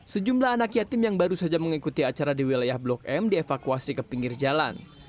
sejumlah anak yatim yang baru saja mengikuti acara di wilayah blok m dievakuasi ke pinggir jalan